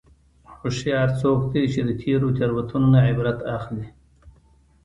هوښیار څوک دی چې د تېرو تېروتنو نه عبرت اخلي.